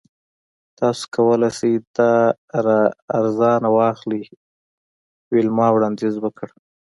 تاسو کولی شئ دا ارزانه واخلئ ویلما وړاندیز وکړ